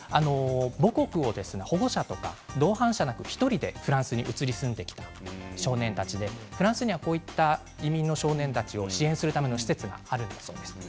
母国を保護者とか同伴者なく１人でフランスに移り住んできた少年たちでフランスにはこういった移民の少年たちを支援するための施設があるそうです。